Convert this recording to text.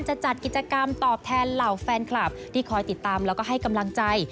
จัดกิจกรรมตอบแทนเหล่าแฟนคลับที่คอยติดตามแล้วก็ให้กำลังใจ